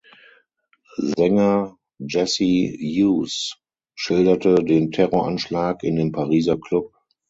Sänger Jesse Hughes schilderte den Terroranschlag in dem Pariser Club.